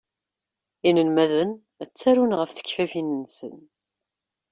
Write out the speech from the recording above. Inelmaden ttarun ɣef tekfafin-nsen.